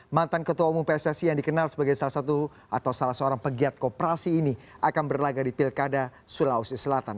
mantan ketua umum pssi yang dikenal sebagai salah satu atau salah seorang pegiat kooperasi ini akan berlaga di pilkada sulawesi selatan